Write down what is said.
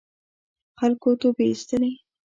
خلکو توبې اېستلې.